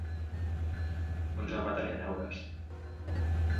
Mon germà tenia neures.